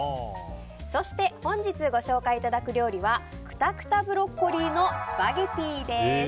そして本日ご紹介いただく料理はくたくたブロッコリーのスパゲティです。